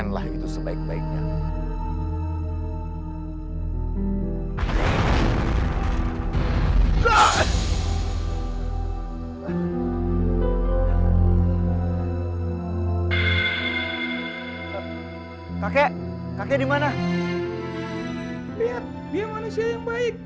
lihat dia manusia yang baik